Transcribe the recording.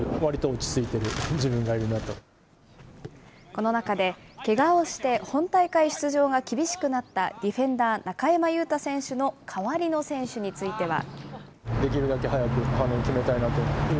この中で、けがをして本大会出場が厳しくなったディフェンダー、中山雄太選手の代わりの選手については。